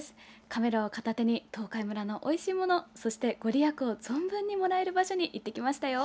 カメラを片手に東海村のおいしいものそして、ご利益を存分にもらえる場所に行ってきましたよ。